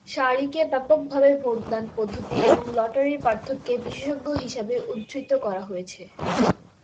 সারিকে ব্যাপকভাবে ভোটদান পদ্ধতি এবং লটারির পার্থক্যে বিশেষজ্ঞ হিসাবে উদ্ধৃত করা হয়েছে।